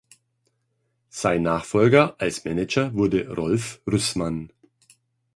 Sein Nachfolger als Manager wurde Rolf Rüssmann.